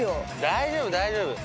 大丈夫大丈夫。